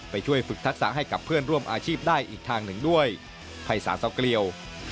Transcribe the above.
ไปช่วยฝึกทักษะให้กับเพื่อนร่วมอาชีพได้อีกทางหนึ่งด้วย